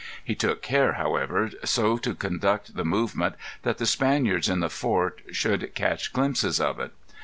He took care, however, so to conduct the movement that the Spaniards in the fort should catch glimpses of it.